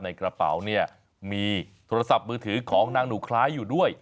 ในกระเป๋าเนี่ยมีโทรศัพท์มือถือของนางหนูคล้ายอยู่ด้วย